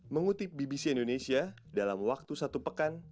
mengutip bbc indonesia dalam waktu satu pekan